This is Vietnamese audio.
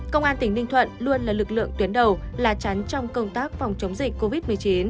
công an tỉnh ninh thuận luôn là lực lượng tuyến đầu là chắn trong công tác phòng chống dịch covid một mươi chín